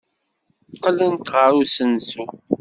Qqlent ɣer usensu.